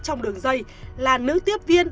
trong đường dây là nữ tiếp viên